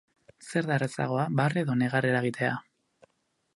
Zer da errazagoa, barre edo negar eragitea?